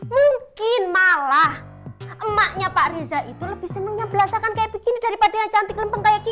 mungkin malah emaknya pariza itu lebih seneng yang belasakan kayak begini daripada yang cantik lempeng kayak kiki